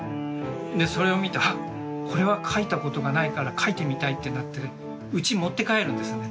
でそれを見てはっこれは描いたことがないから描いてみたいってなってうち持って帰るんですね。